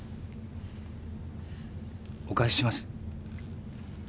お返しします。